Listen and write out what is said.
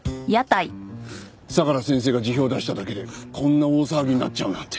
相良先生が辞表出しただけでこんな大騒ぎになっちゃうなんて。